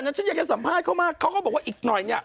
ฉันอยากจะสัมภาษณ์เขามากเขาก็บอกว่าอีกหน่อยเนี่ย